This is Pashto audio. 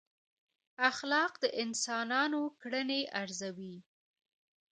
اخلاق د انسانانو کړنې ارزوي.